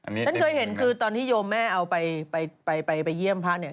ฉันเคยเห็นคือตอนที่โยมแม่ไปเยี่ยมพระเงิน